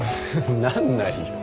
なんないよ。